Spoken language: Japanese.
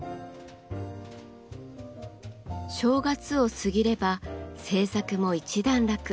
正月を過ぎれば制作も一段落。